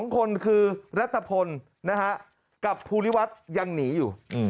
๒คนคือรัฐพลกับภูริวัฒน์ยังหนีอยู่